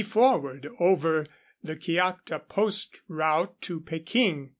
139 re forward over the Kiakhta post route to Peking.